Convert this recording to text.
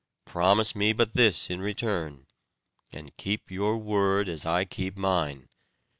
Promise me but this in return, and keep your word as I keep mine.